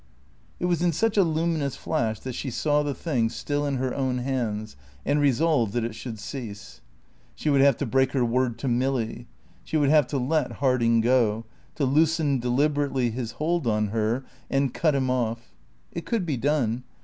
It was in such a luminous flash that she saw the thing still in her own hands, and resolved that it should cease. She would have to break her word to Milly. She would have to let Harding go, to loosen deliberately his hold on her and cut him off. It could be done.